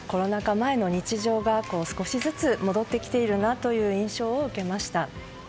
前の日常が少しずつ戻ってきているなという印象を受けました。